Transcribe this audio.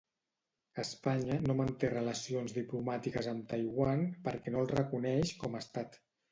Espanya no manté relacions diplomàtiques amb Taiwan perquè no el reconeix com a estat.